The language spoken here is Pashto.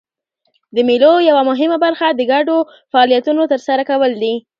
د مېلو یوه مهمه برخه د ګډو فعالیتونو ترسره کول دي.